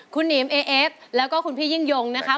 คุณหนีมเอเอฟแล้วก็คุณพี่ยิ่งยงนะคะ